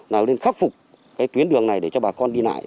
nào nên khắc phục cái tuyến đường này để cho bà con đi lại